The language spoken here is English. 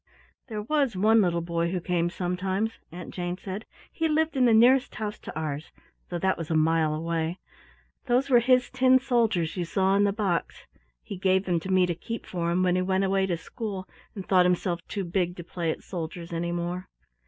"There was one little boy who came sometimes," Aunt Jane said. "He lived in the nearest house to ours, though that was a mile away. Those were his tin soldiers you saw in the box. He gave them to me to keep for him when he went away to school, and thought himself too big to play at soldiers any more."